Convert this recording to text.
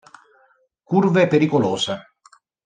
Curve pericolose